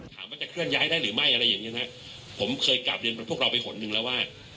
ถามว่าจะเคลื่อนย้ายได้หรือไม่อะไรอย่างเงี้นะผมเคยกลับเรียนพวกเราไปหนหนึ่งแล้วว่า